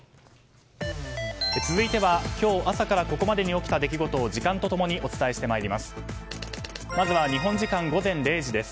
続いては、今日朝からここまでに起きた出来事を時間と共にお伝えして参ります。